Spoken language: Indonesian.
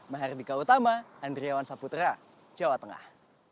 mahardika utama andriawan saputra jawa tengah